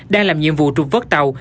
đang làm nhiệm vụ trụt vớt tàu